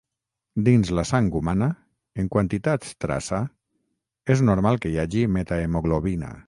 Dins la sang humana, en quantitats traça, és normal que hi hagi metahemoglobina.